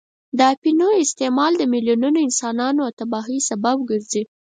د اپینو استعمال د میلیونونو انسانان د تباهۍ سبب ګرځي.